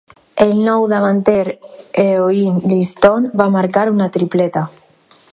El nou davanter Eoin Liston va marcar una tripleta.